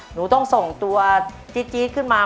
หนูต้องส่งตัวจี๊ดขึ้นมา